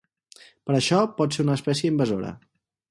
Per això pot ser una espècie invasora.